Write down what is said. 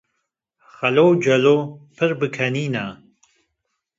Xelo û Celo pir bi kenîne